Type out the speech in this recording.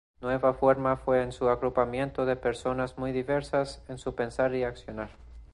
Nueva Forma fue un agrupamiento de personas muy diversas en su pensar y accionar.